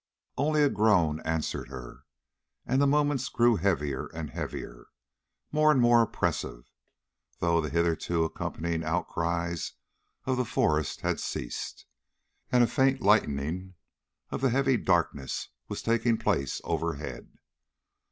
Only a groan answered her; and the moments grew heavier and heavier, more and more oppressive, though the hitherto accompanying outcries of the forest had ceased, and a faint lightening of the heavy darkness was taking place overhead.